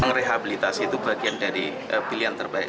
merehabilitasi itu bagian dari pilihan terbaik